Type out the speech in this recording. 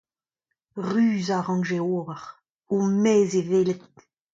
Ruzañ a rankje ober. Ur mezh-e-welet !